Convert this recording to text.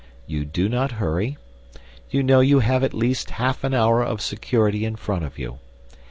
You do not hurry. You know you have at least half an hour of security in front of you.